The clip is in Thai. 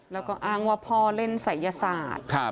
แล้วก็อ้างว่าพ่อเล่นศัยศาสตร์